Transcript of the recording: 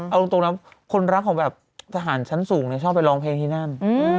เอาตรงนะคนรักของแบบทหารชั้นสูงชอบไปร้องเพลงที่นั่น